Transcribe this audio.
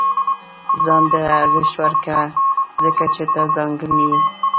• ځان ته ارزښت ورکړه، ځکه چې ته ځانګړی یې.